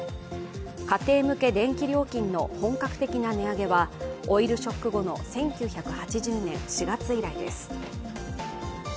家庭向け電気料金の本格的な値上げはオイルショック後の１９８０年４月以来です。